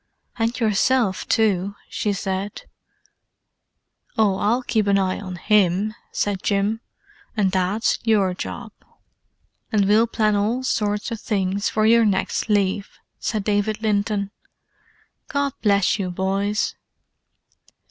"And yourself, too," she said. "Oh, I'll keep an eye on him," said Jim. "And Dad's your job." "And we'll plan all sorts of things for your next leave," said David Linton. "God bless you, boys."